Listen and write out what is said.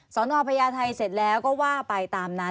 สนพญาไทยเสร็จแล้วก็ว่าไปตามนั้น